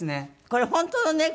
これ本当の猫？